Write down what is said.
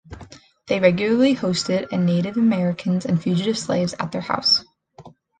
They regularly hosted native Americans and fugitive slaves at their house.